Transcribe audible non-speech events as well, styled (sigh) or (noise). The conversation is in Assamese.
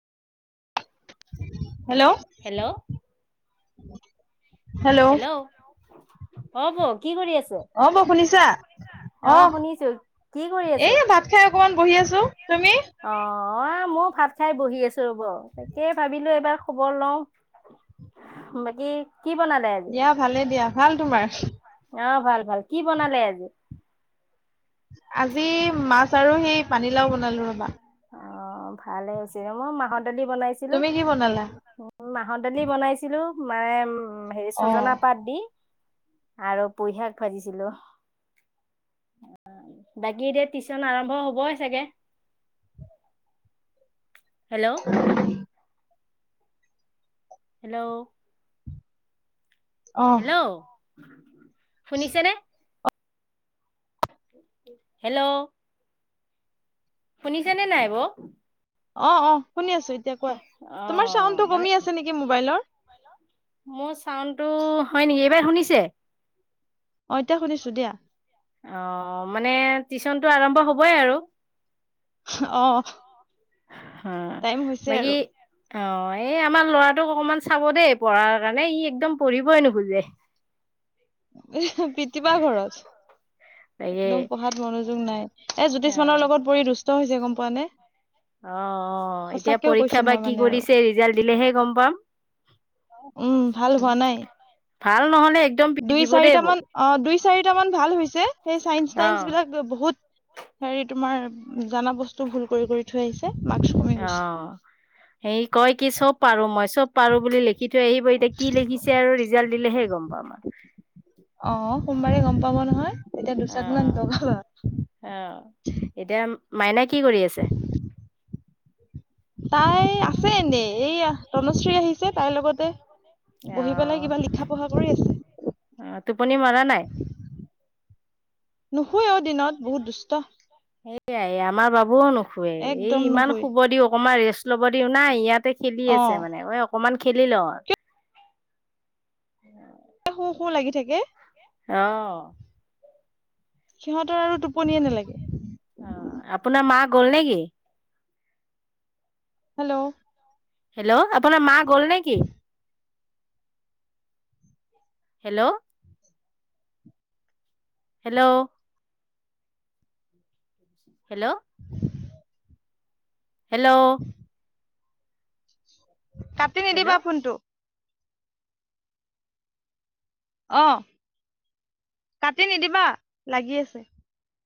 Hello hello. (unintelligible) হেল্ল' অ বক। অ ব শুনিছা অ শুনিছো কি কৰি আছে? এয়া ভাত খাই অকমান বহি আছো। তুমি অ মোৰ ভাত খাই বহি আছো ৰ'ব তাকে ভাবিলো এইবাৰ খবৰ লওঁ। বাকী কি বনালে আজি। দিয়া ভালে দিয়া ভাল তোমাৰ। আহ ভাল ভাল কি বনালে আজি। আজি মাছ আৰু সেই পানীলাও বনালো ৰবা। অ ভালে হৈছে মই মাহৰ দালি বনাইছিলো। তুমি কি বনালা মাহৰ দালি বনাইছিলো মানে উ হেৰি অ ছজনা পাত দি। আৰু পুই শাক ভাজিছিলো। বাকী এতিয়া টিউচন আৰম্ভ হবই চাগে। হেল্ল'। হেল্ল'। অ হেল্ল' শুনিছেনে। হেল্ল'। শুনিছে নে নাই বৌ। অ অ শুনি আছো এতিয়া কোৱা তোমাৰ অ', চাউণ্ডটো মানে কমি আছে নেকি মোবাইলৰ। মোৰ চাউনটো হয় নেকি এইবাৰ শুনিছে। অ এতিয়া শুনিছো দিয়া। অ মানে টিউচনতটো আৰম্ভ হবই আৰু। অ হা টাইম হৈছে আৰু বাকী। অ এই আমাৰ লৰাটোক অকমান চাব দেই পঢ়াৰ কাৰণে ই একদম পঢ়িবই নোখোজে। উ (unintelligible) পতি পা ঘৰতত। তাকে একদম পঢ়াত মনোযোগ নাই এ জ্যোতিষমানৰ লগত পৰি দুষ্ট হৈছে গম পোৱা নে। অ অ এতিয়া সঁচাকেও কৈছো পৰীক্ষা বা মই কি মানে আৰু কৰিছে ৰিজাল্ট দিলেহে গম পাম। উম ভাল হোৱা নাই। ভাল নহলে। একদম পিট দুই দিব দেই চাৰিটা বৌ মান অ দুই চাৰিটা মান ভাল হৈছে সেই চাইন্স অ', তাইন্ঞ্চ বিলাক বহুত হেৰি তোমাৰ জানা বস্তু ভুল কৰি কৰি থৈ আহিছে। মাৰ্কচ কমি অ গৈছে সেই কয় কি চব পাৰো মই চব পাৰো বুলি লিখি সিটো আহিব এতিয়া কি লিখিছে আৰু ৰিজাল্ট দিলেহে গম পাম আমাৰ। অ সোমবাৰে গম পাব নহয়। তেতিয়া দুচাটমান অহ বগাবা অহ এতিয়া মাইনা কি কৰি আছে। তাই আছে এনে এই তনুশ্ৰী আহিছে তাইৰ লগতে বহি পেলাই অ', কিবা লিখা পঢ়া কৰি আছে। অ', টোপনি মৰা নাই? নুশুৱে অ দিনত বহুত দুষ্ট। এইয়াই আমাৰ বাবুও নুশুৱে এই একদম ইমান নুশুৱে শুব দিও অকণমান ৰেষ্ট ল'ব দিও নাই ইয়াত খেলি অ আছে মানে অকমান খেলি লও শুও শুও লাগি থাকে। অহ। সিহঁতৰ আৰু টোপনিয়ে নালাগে। অ আপোনাৰ মা গ'ল নেকি? হেল্ল'! হেল্ল' আপোনাৰ মাঁ গ'ল নেকি? হেল্ল'! হেল্ল'! হেল্ল'! হেল্ল'! কাটি হেল্ল' নিদিবা ফোনটো। অহ কাটি নিদিবা লাগি আছে।